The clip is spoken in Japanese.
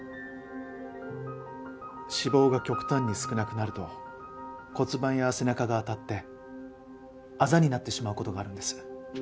脂肪が極端に少なくなると骨盤や背中が当たってあざになってしまう事があるんです。